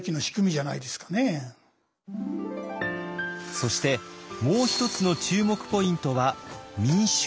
そしてもう一つの注目ポイントは民衆です。